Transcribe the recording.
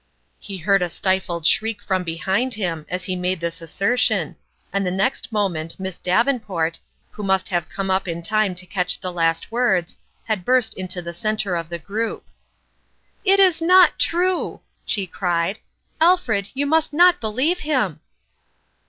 He heard a stifled shriek from behind him (Eompounb Interest. 173 as he made this assertion, and the next moment Miss Davenport, who must have come up in time to catch the last words, had burst into the center of the group. " It is not true !" she cried. " Alfred, you must not believe him